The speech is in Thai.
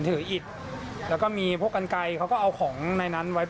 อิดแล้วก็มีพวกกันไกลเขาก็เอาของในนั้นไว้